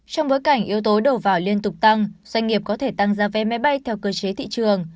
trong bối cảnh yếu tố đầu vào liên tục tăng doanh nghiệp có thể tăng giá vé máy bay theo cơ chế thị trường